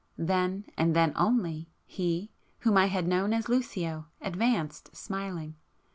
then, and then only, He, whom I had known as Lucio, advanced smiling.